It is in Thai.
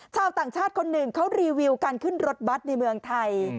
ชาวต่างชาติคนหนึ่งเขารีวิวการขึ้นรถบัตรในเมืองไทย